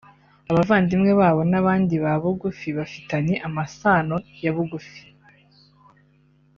abavandimwe babo n’abandi ba bugufi bafitanye amasano ya bugufi